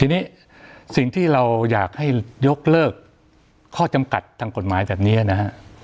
ทีนี้สิ่งที่เราอยากให้ยกเลิกข้อจำกัดทางกฎหมายแบบนี้นะฮะ